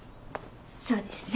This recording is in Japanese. そうですね。